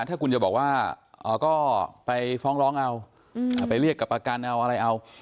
ถ้าคุณจะบอกว่าก็ไปฟ้องร้องเอาไปเรียกกับประกันเอาอะไรเอา